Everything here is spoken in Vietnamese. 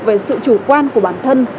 về sự chủ quan của bản thân